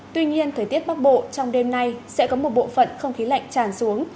tuy nhiên thời tiết bắc bộ trong đêm nay sẽ có một bộ phận không khí lạnh tràn xuống